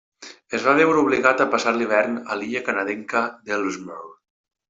Es va veure obligat a passar l'hivern a l'illa canadenca d'Ellesmere.